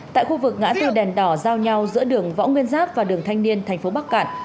tại khu vực ngã tư đèn đỏ giao nhau giữa đường võ nguyên giáp và đường thanh niên thành phố bắc cạn